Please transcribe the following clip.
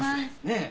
ねえ。